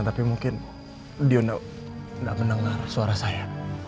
tapi mungkin dia tidak mendengar suara saya